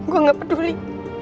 gue gak peduli